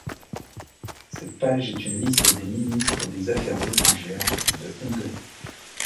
Cette page est une liste des ministres des Affaires étrangères de Hongrie.